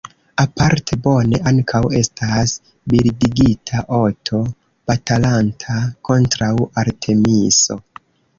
Aparte bone ankaŭ estas bildigita "Oto batalanta kontraŭ Artemiso".